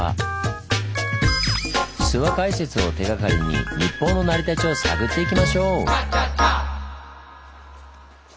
諏訪解説を手がかりに日本の成り立ちを探っていきましょう！